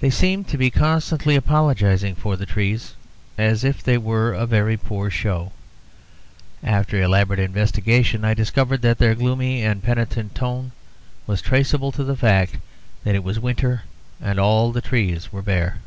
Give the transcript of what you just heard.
They seemed to be constantly apologizing for the trees, as if they were a very poor show. After elaborate investigation, I discovered that their gloomy and penitent tone was traceable to the fact that it was winter and all the trees were bare.